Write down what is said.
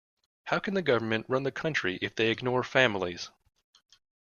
How can the government run the country if they ignore families?